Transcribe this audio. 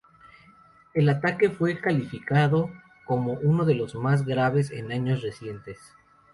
El ataque fue calificado como uno de los más graves en años recientes.